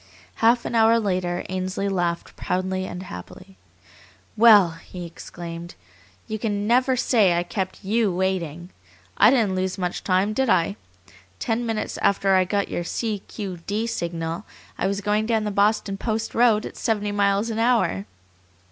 Half an hour later Ainsley laughed proudly and happily. "Well!" he exclaimed, "you can never say I kept YOU waiting. I didn't lose much time, did I? Ten minutes after I got your C. Q. D. signal I was going down the Boston Post Road at seventy miles an hour."